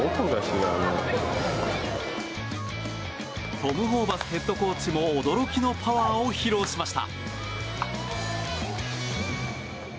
トム・ホーバスヘッドコーチも驚きのパワーを披露しました。